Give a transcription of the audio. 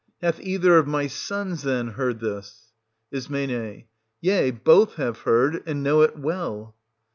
Hath either of my sons, then, heard this ? Is, Yea, both have heard, and know it well.